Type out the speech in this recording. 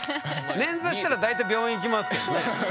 捻挫したら大体病院行きますけどね。